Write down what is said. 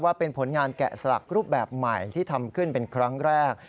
ว่าเป็นผลงานแกะสลักรูปแบบใหม่ที่ทำขึ้นเป็นครั้งแรก